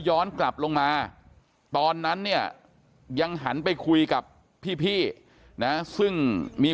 ย้อนกลับลงมาตอนนั้นเนี่ยยังหันไปคุยกับพี่นะซึ่งมี